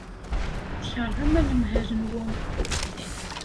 Tkeṛhem anemhal-nwen.